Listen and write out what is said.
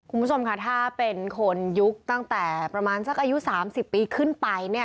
คุณผู้ชมค่ะถ้าเป็นคนยุคตั้งแต่ประมาณสักอายุ๓๐ปีขึ้นไปเนี่ย